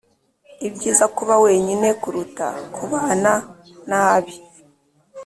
ibyiza kuba wenyine kuruta kubana nabi